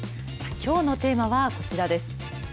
きょうのテーマはこちらです。